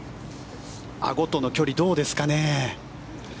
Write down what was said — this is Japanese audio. あごとの距離、どうですかね。